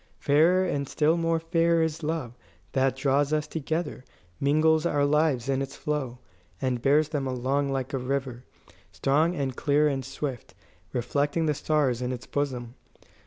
"Fairer and still more fair is love, that draws us together, mingles our lives in its flow, and bears them along like a river, strong and clear and swift, reflecting the stars in its bosom.